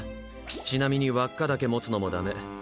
ちなみに輪っかだけ持つのもダメ。